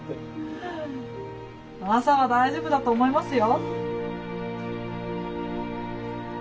朝は大丈夫だと思いますよ。